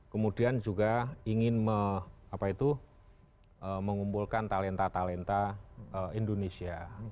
kemudian juga ingin mengumpulkan talenta talenta indonesia